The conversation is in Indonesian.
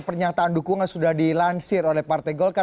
pernyataan dukungan sudah dilansir oleh partai golkar